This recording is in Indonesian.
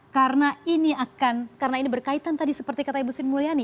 karena ini akan karena ini berkaitan tadi seperti kata ibu sri mulyani